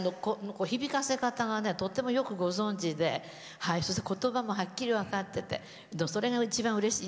響かせ方がとってもよくご存じでそして言葉もはっきり分かっててそれが一番うれしい。